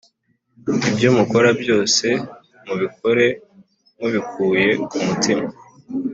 Ibyo mukora byose mubikore mubikuye ku mutima